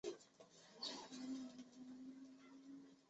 金莲花奖最佳编剧是澳门国际电影节金莲花奖的常设奖项。